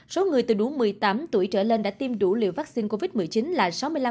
số người từ đủ một mươi tám tuổi trở lên đã tiêm đủ liều vaccine covid một mươi chín là sáu mươi năm